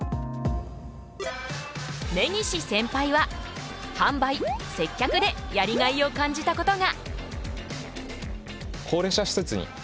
根岸センパイは販売・接客でやりがいを感じたことが！